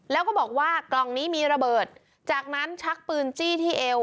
แล้วก็บอกว่ากล่องนี้มีระเบิดจากนั้นชักปืนจี้ที่เอว